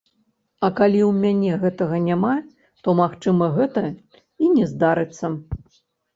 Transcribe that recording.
А калі ў мяне гэтага няма, то, магчыма, гэта і не здарыцца.